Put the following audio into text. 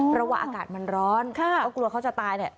เพราะว่าอากาศมันร้อนก็กลัวเขาจะตายเนี่ย